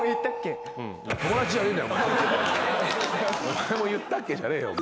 「前も言ったっけ？」じゃねえよお前。